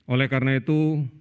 oleh karena itu